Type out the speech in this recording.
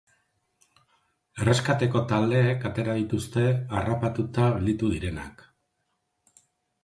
Erreskateko taldeek atera dituzte harrapatuta gelditu direnak.